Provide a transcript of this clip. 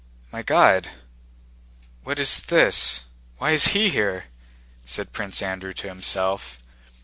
"My God! What is this? Why is he here?" said Prince Andrew to himself.